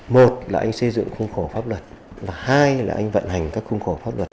một là anh xây dựng khung khổ pháp luật và hai là anh vận hành các khung khổ pháp luật